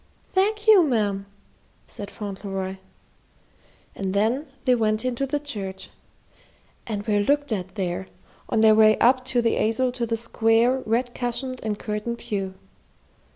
"Thank you, ma'am," said Fauntleroy. And then they went into the church, and were looked at there, on their way up the aisle to the square, red cushioned and curtained pew.